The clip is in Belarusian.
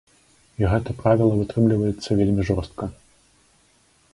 І гэта правіла вытрымліваецца вельмі жорстка.